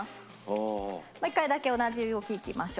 もう１回だけ同じ動きいきましょう。